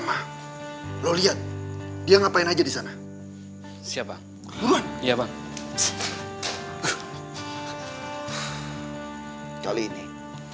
kayaknya cari makan dulu nih